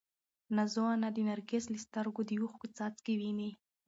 نازو انا د نرګس له سترګو د اوښکو څاڅکي ویني.